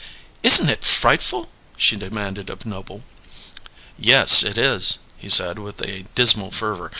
"Isn't it frightful?" she demanded of Noble. "Yes, it is," he said, with a dismal fervour.